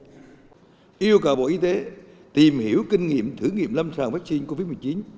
yêu cầu bộ y tế tìm hiểu kinh nghiệm thử nghiệm lâm sàng vaccine covid một mươi chín